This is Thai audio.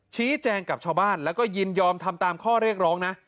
ชี้แจงกับชาวบ้านแล้วก็ยินยอมทำตามข้อเรียกร้องนะ